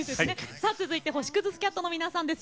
続いて星屑スキャットの皆さんです。